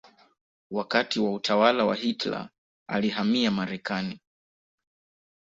Wakati wa utawala wa Hitler alihamia Marekani.